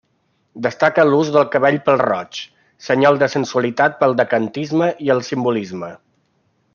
Destaca l'ús del cabell pèl-roig, senyal de sensualitat pel decadentisme i el simbolisme.